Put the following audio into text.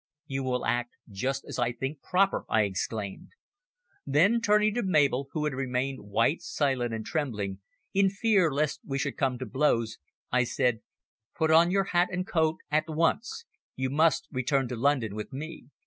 "You will act just as I think proper," I exclaimed. Then, turning to Mabel, who had remained white, silent and trembling, in fear lest we should come to blows, I said, "Put on your hat and coat at once. You must return to London with me."